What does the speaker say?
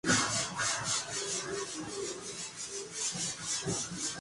Luego asistió a la University College Dublin y obtuvo una licenciatura en ciencias sociales.